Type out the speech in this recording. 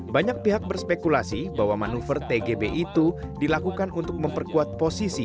banyak pihak berspekulasi bahwa manuver tgb itu dilakukan untuk memperkuat posisi